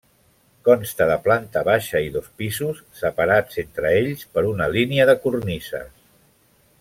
Consta de planta baixa i dos pisos, separats entre ells per una línia de cornises.